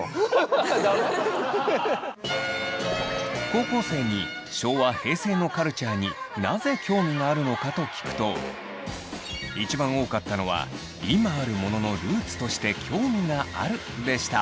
高校生に昭和・平成のカルチャーになぜ興味があるのかと聞くと一番多かったのは「今あるもののルーツとして興味がある」でした。